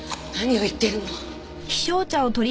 何を言っているの？